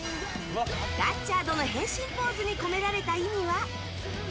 ガッチャードの変身ポーズに込められた意味は。